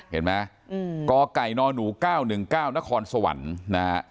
เห็นไหมอืมกไก่นหนูเก้าหนึ่งเก้านครสวรรค์นะฮะ